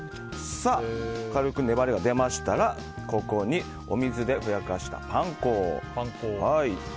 軽く粘りが出ましたらここにお水でふやかしたパン粉。